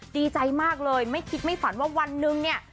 ดีใจมากเลยไม่คิดไม่ฝันว่าวันหนึ่งเนี่ย